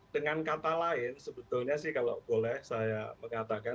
dengan kata lain sebetulnya sih kalau boleh saya mengatakan